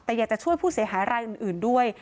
แต่อยากจะช่วยผู้เสียหายรายอื่นด้วย